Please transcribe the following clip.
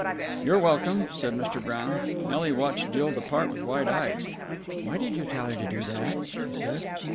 "You're welcome!" said Mr. Brown. Nelly watched Jill depart with wide eyes. "Why did you tell her to do that?" she said.